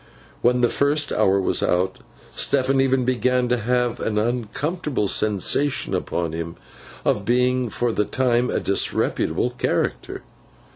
When the first hour was out, Stephen even began to have an uncomfortable sensation upon him of being for the time a disreputable character.